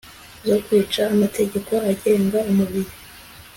zo kwica amategeko agenga umubiri